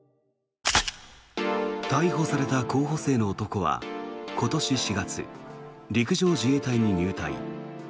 逮捕された候補生の男は今年４月陸上自衛隊に入隊。